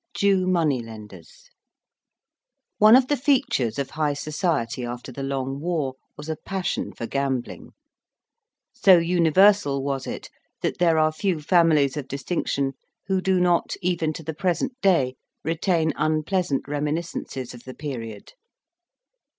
JEW MONEY LENDERS One of the features of high society after the long war was a passion for gambling; so universal was it that there are few families of distinction who do not even to the present day retain unpleasant reminiscences of the period.